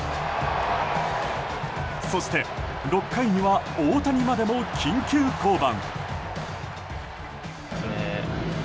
そして、６回には大谷までも緊急降板。